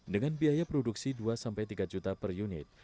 dengan biaya produksi dua tiga juta per unit